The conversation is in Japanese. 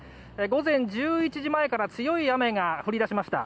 午前１１時前から強い雨が降り出しました。